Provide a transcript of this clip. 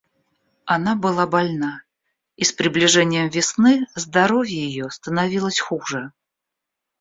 Она была больна, и с приближением весны здоровье ее становилось хуже.